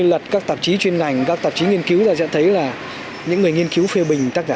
luật các tạp chí chuyên ngành các tạp chí nghiên cứu ra sẽ thấy là những người nghiên cứu phê bình tác giả